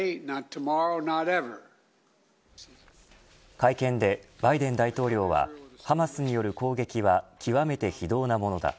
会見でバイデン大統領はハマスによる攻撃は極めて非道なものだ。